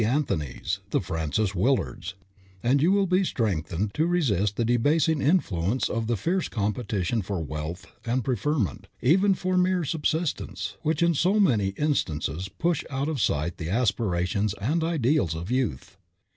Anthonys, the Frances Willards, and you will be strengthened to resist the debasing influence of the fierce competition for wealth and preferment, even for mere subsistence, which in so many instances pushes out of sight the aspirations and ideals of youth.